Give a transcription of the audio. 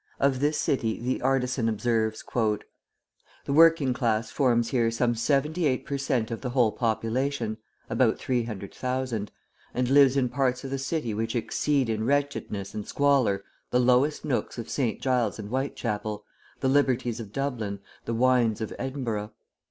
Of this city the Artisan observes: "The working class forms here some 78% of the whole population (about 300,000), and lives in parts of the city which exceed in wretchedness and squalor the lowest nooks of St. Giles and Whitechapel, the Liberties of Dublin, the Wynds of Edinburgh.